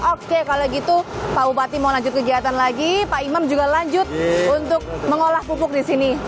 oke kalau gitu pak bupati mau lanjut kegiatan lagi pak imam juga lanjut untuk mengolah pupuk di sini